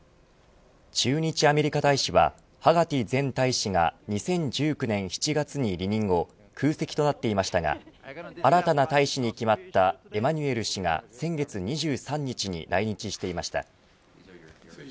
駐日アメリカ大使はハガティ前大使が２０１９年７月に離任後空席となっていましたが新たな大使に決まったエマニュエル氏が、先月２３日に来日していました。